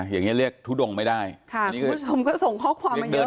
อย่างเงี้ยเรียกทุดงไม่ได้ค่ะผมก็ส่งข้อความมาเยอะเดิน